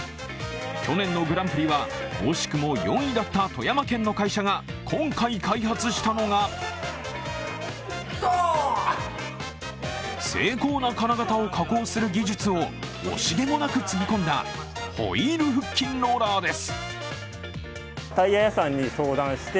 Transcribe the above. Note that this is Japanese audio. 去年のグランプリは惜しくも４位だった富山県の会社が今回開発したのが精巧な金型を加工する技術を惜しげもなく注ぎ込んだホイール腹筋ローラーです。